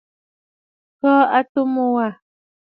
Kɔɔ atu mu wâ.